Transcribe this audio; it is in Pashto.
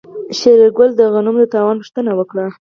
شېرګل د غنمو د تاوان پوښتنه وکړه.